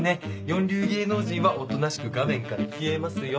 四流芸能人はおとなしく画面から消えますよ。